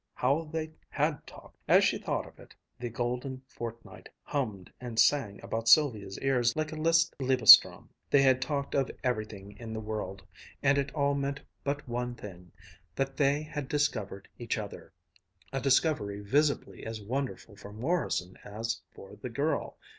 How they had talked! As she thought of it the golden fortnight hummed and sang about Sylvia's ears like a Liszt Liebes Traum. They had talked of everything in the world, and it all meant but one thing, that they had discovered each other, a discovery visibly as wonderful for Morrison as for the girl.